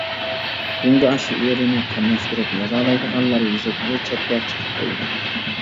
«گۇڭگا» شېئىرنى قاملاشتۇرۇپ يازالايدىغانلار يېزىپ بىر چەتكە چىقىپ بولدى.